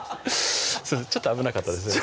ちょっと危なかったですね